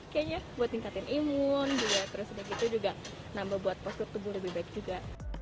kayaknya buat tingkatin imun juga terus udah gitu juga nambah buat postur tubuh lebih baik juga